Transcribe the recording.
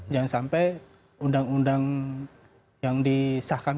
jangan sampai undang undang yang disahkan